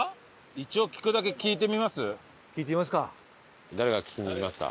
一応聞くだけ聞いてみます？